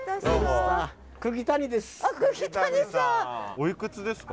おいくつですか？